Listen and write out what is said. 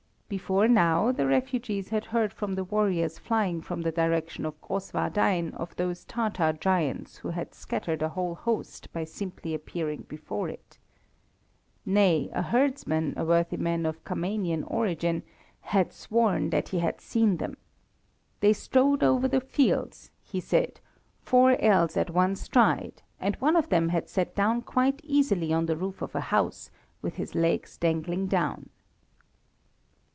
Before now the refugees had heard from the warriors flying from the direction of Grosswardein of these Tatar giants who had scattered a whole host by simply appearing before it. Nay, a herdsman, a worthy man of Cumanian origin, had sworn that he had seen them. They strode over the fields, he said, four ells at one stride, and one of them had sat down quite easily on the roof of a house, with his legs dangling down.